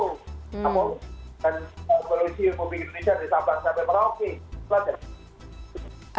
namun polisi republik indonesia dari sabang sampai merauke